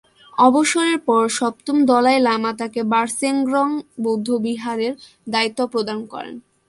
অবসরের পর সপ্তম দলাই লামা তাকে র্বা-স্গ্রেং বৌদ্ধবিহারের দায়িত্ব প্রদান করেন।